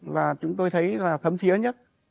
và chúng tôi thấy là thấm thiế nhất